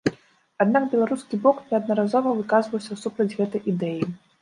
Аднак беларускі бок неаднаразова выказваўся супраць гэтай ідэі.